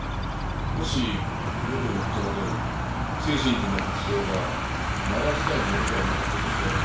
もし横井の言葉どおり星辰寺の仏像が奈良時代のものではなかったとすれば。